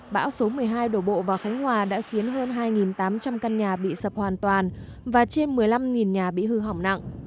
bão số một mươi hai đổ bộ vào khánh hòa đã khiến hơn hai tám trăm linh căn nhà bị sập hoàn toàn và trên một mươi năm nhà bị hư hỏng nặng